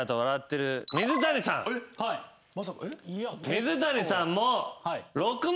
水谷さんも。